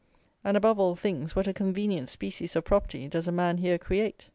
And, above all things, what a convenient species of property does a man here create.